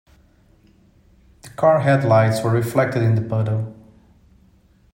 The car headlights were reflected in the puddle.